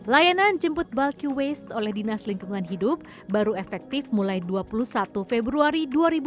layanan jemput bulky waste oleh dinas lingkungan hidup baru efektif mulai dua puluh satu februari dua ribu dua puluh